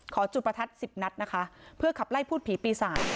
จุดประทัด๑๐นัดนะคะเพื่อขับไล่พูดผีปีศาจ